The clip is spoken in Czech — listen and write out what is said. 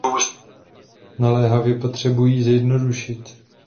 Naléhavě potřebují zjednodušit.